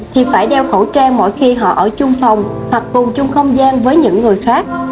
thì phải đeo khẩu trang mỗi khi họ ở chung phòng hoặc cùng chung không gian với những người khác